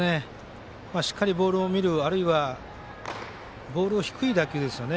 しっかりボールを見るあるいはボールを低い打球ですね